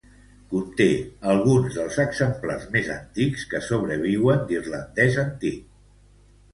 Conté alguns dels exemplars més antics que sobreviuen d'irlandès antic.